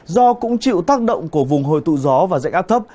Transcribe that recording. do cũng chịu tác động của vùng hồi tụ gió và dãy áp thấp